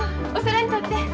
お皿にとって。